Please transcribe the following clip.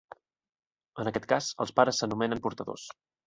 En aquest cas, els pares s'anomenen portadors.